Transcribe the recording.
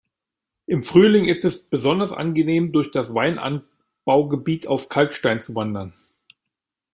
Im Frühling ist es besonders angenehm durch das Weinanbaugebiet auf Kalkstein zu wandern.